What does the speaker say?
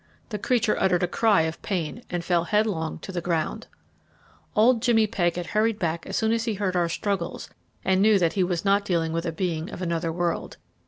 The creature uttered a cry of pain and fell headlong to the ground. Old Jimmy Pegg had hurried back as soon as he heard our struggles and knew that he was not dealing with a being of another world.